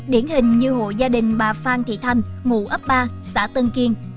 điển hình như hộ gia đình bà phan thị thanh ngụ ấp ba xã tân kiên